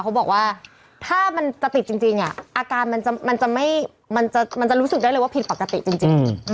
เขาบอกว่าถ้ามันจะติดจริงจริงอ่ะอาการมันจะมันจะไม่มันจะมันจะรู้สึกได้เลยว่าผิดปกติจริงจริง